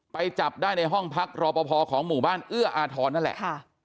จับได้ในห้องพักรอปภของหมู่บ้านเอื้ออาทรนั่นแหละ